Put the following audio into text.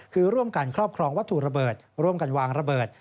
คือร่วมกันครอบครองวัตถุระเบิดร่วมกันวางระเบิด